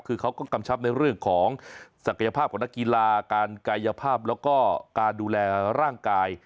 คือเขาก็กำชับในเรื่องของศักยภาพของนักกีฬาการกายภาพแล้วก็การดูแลร่างกาย